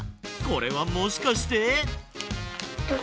これはもしかして。